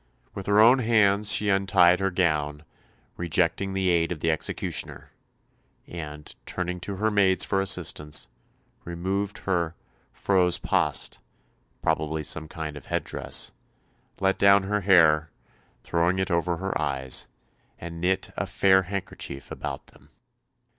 With her own hands she untied her gown, rejecting the aid of the executioner, and, turning to her maids for assistance, removed her "frose paast" probably some kind of head dress let down her hair, throwing it over her eyes, and knit a "fair handkerchief" about them.